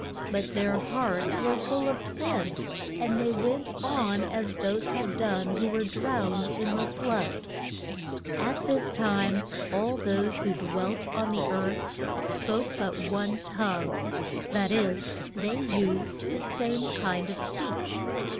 But their hearts were full of sin, and they went on as those had done who were drowned in the flood. [Illustration: HE BREWS, AND THEIR MODE OF TRAV EL ING.] At this time all those who dwelt on the earth spoke but one tongue; that is, they used the same kind of speech.